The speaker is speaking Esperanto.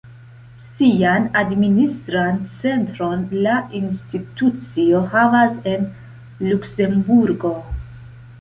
Sian administran centron la institucio havas en Luksemburgo.